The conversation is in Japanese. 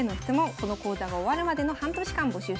この講座が終わるまでの半年間募集しております。